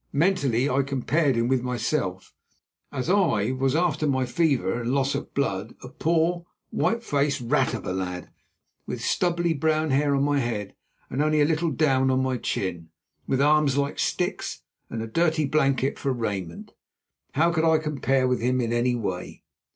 Mentally I compared him with myself, as I was after my fever and loss of blood, a poor, white faced rat of a lad, with stubbly brown hair on my head and only a little down on my chin, with arms like sticks, and a dirty blanket for raiment. How could I compare with him in any way?